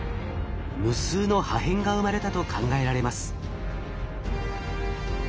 無数の破片が生まれたと考えられます。